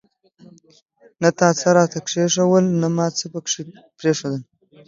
نه تا څه راته کښېښوول ، نه ما څه پکښي پريښودل.